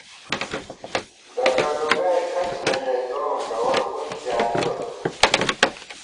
ڈگہ ڈُگَئےکھڅ نہ ژَئیتون، گوَر پُݪ پیانِبہ تو